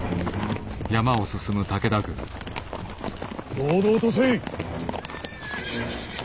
堂々とせい！